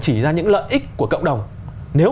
chỉ ra những lợi ích của cộng đồng nếu